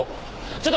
ちょっと！